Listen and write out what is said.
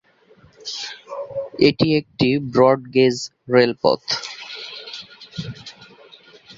এটি একটি ব্রড-গেজ রেলপথ।